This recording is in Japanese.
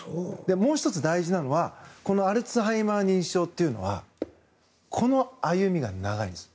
もう１つ大事なのはこのアルツハイマー型認知症というのはこの歩みが長いんです。